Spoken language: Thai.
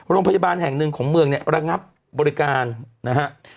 โรงพยาบาลแห่งหนึ่งของเมืองเนี่ยระงับบริการนะฮะ